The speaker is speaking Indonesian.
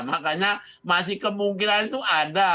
makanya masih kemungkinan itu ada